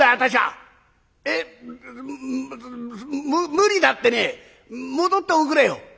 無理だってね戻っておくれよ。